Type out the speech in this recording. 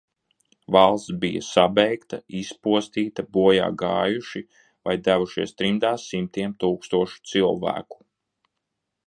"Valsts bija "sabeigta", izpostīta, bojā gājuši vai devušies trimdā simtiem tūkstošu cilvēku."